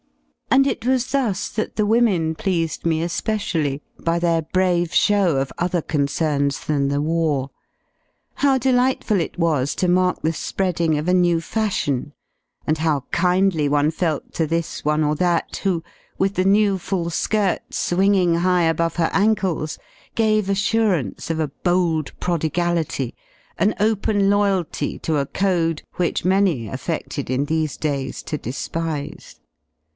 And it was thus that the women pleased me especially, by their brave show of other concerns than the war. How delightful it was to mark the spreading of a new fashion, and how kindly one felt to this one or that who, with the new full skirt swinging high above her ankles, gave assur 4 ance of a bold prodigality, an open loyalty to a code which \ many affedled in these days to despise.